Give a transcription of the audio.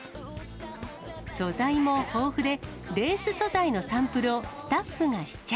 素材も豊富でレース素材のサンプルをスタッフが試着。